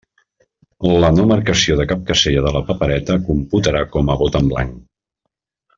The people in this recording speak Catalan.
La no marcació de cap casella de la papereta computarà com a vot en blanc.